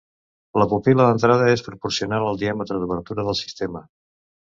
La pupil·la d'entrada és proporcional al diàmetre d'obertura del sistema.